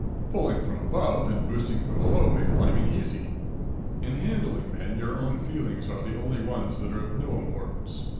Pulling from above and boosting from below make climbing easy. In handling men, your own feelings are the only ones that are of no importance.